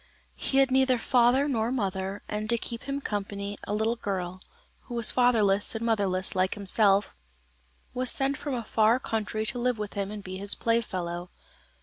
He had neither father nor mother, and to keep him company, a little girl, who was fatherless and motherless like himself, was sent from a far country to live with him and be his playfellow.